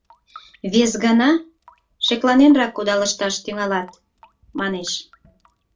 — Вес гана шекланенрак кудалышташ тӱҥалат! — манеш.